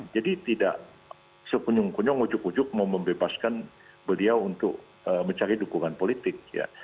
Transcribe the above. jadi tidak sepenyung penyung ujuk ujuk membebaskan beliau untuk mencari dukungan politik